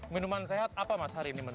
minuman sehat apa mas hari ini menu